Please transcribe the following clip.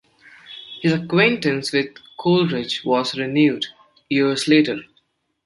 His acquaintance with Coleridge was renewed years later.